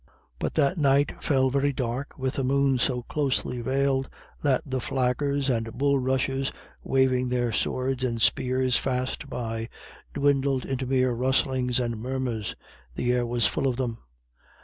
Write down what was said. But that night fell very dark, with a moon so closely veiled that the flaggers and bulrushes waving their swords and spears fast by, dwindled into mere rustlings and murmurs the air was full of them.